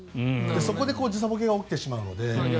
そこで時差ぼけが起きてしまうので。